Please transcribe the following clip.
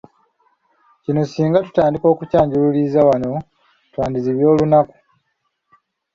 Kino singa tutandika okukyanjululiza wano twandizibya olunaku!